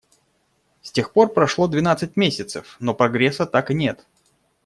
С тех пор прошло двенадцать месяцев, но прогресса так и нет.